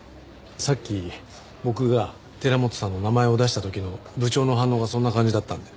さっき僕が寺本さんの名前を出した時の部長の反応がそんな感じだったんで。